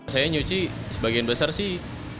saya nyuci sebagian besar sih